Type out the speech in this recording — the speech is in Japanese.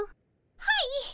はい。